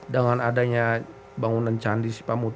dengan adanya bangunan candi sipamutu